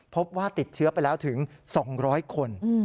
พบว่าติดเชื้อไปแล้วถึง๒๐๐คน